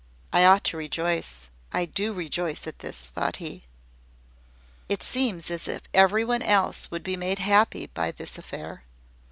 "I ought to rejoice I do rejoice at this," thought he. "It seems as if everyone else would be made happy by this affair.